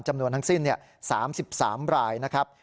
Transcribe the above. จำนวนทั้งสิ้น๓๓รายนะครับ